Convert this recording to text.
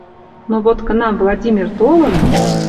Но вот кынам Владимир толын